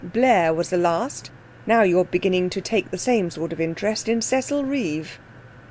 Blair was the last. Now you're beginning to take the same sort of interest in Cecil Reeve.'